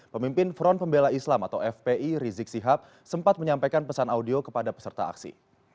pemimpin front pembela islam atau fpi rizik sihab sempat menyampaikan pesan audio kepada peserta aksi